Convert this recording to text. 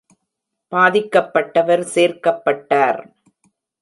பாதிக்கப்பட்டவர் சேர்க்கப்பட்டார்.